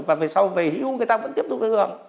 và về sau về hữu người ta vẫn tiếp tục được hưởng